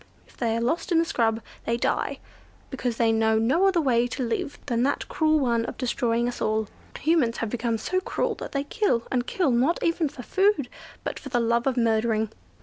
If they are lost in the scrub they die, because they know no other way to live than that cruel one of destroying us all. Humans have become so cruel that they kill, and kill, not even for food, but for the love of murdering.